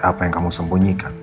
apa yang kamu sembunyikan